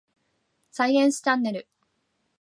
サイエンスチャンネル